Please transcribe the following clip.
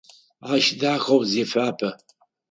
Ащ дахэу зефапэ.